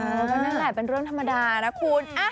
นั่นแหละเป็นเรื่องธรรมดานะคุณ